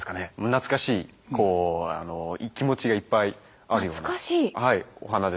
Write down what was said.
懐かしいこう気持ちがいっぱいあるような。